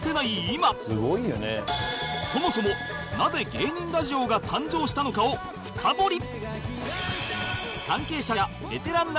今そもそもなぜ芸人ラジオが誕生したのかを深掘り